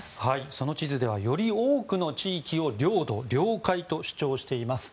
その地図ではより多くの地域を領土・領海と主張しています。